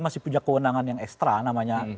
masih punya kewenangan yang ekstra namanya